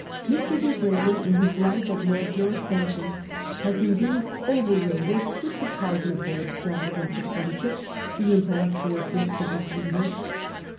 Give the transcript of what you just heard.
Mr. Disraeli, in his ' Life ol Lord George Bentinck,' has indeed overrated, with the pardonable extravagance of friendship, the intel lectual gifts of his leader.